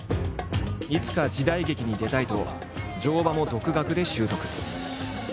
いつか時代劇に出たいと乗馬も独学で習得。